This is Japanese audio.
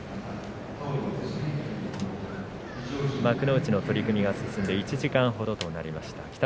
幕内の取組が進んで１時間ほどとなりました。